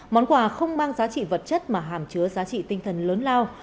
món quà không mang giá trị vật chất mà hàm chứa giá trị tinh thần lớn lao